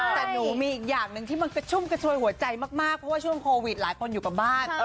แต่หนูมีอีกอย่างหนึ่งที่มันกระชุ่มกระชวยหัวใจมากเพราะว่าช่วงโควิดหลายคนอยู่กับบ้าน